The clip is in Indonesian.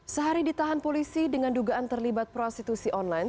sehari ditahan polisi dengan dugaan terlibat prostitusi online